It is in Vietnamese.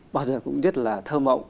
bao giờ cũng rất là thơ mộng